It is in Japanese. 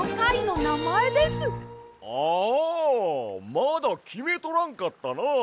まだきめとらんかったな！